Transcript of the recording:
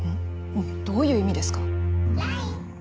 どういう意味ですか？